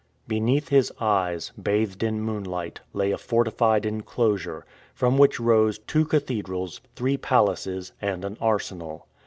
Beneath his eyes, bathed in moonlight, lay a fortified inclosure, from which rose two cathedrals, three palaces, and an arsenal.